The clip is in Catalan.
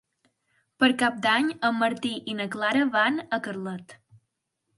Per Cap d'Any en Martí i na Clara van a Carlet.